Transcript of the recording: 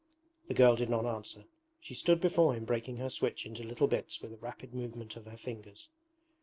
The girl did not answer. She stood before him breaking her switch into little bits with a rapid movement of her fingers.